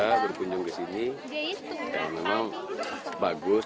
kita berkunjung ke sini memang bagus